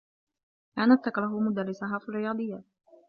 كانت تكره مدرّسها في الرّياضيّات.